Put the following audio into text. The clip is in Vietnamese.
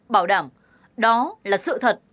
bảo đảm đó là sự thật